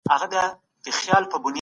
اسلام د خلګو ترمنځ محبت غواړي.